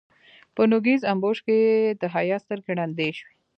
په نوږيز امبوش کې يې د حيا سترګې ړندې شوې.